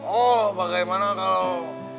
oh bagaimana kalau